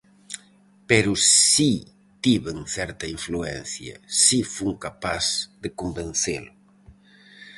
Pero si tiven certa influencia, si fun capaz de convencelo.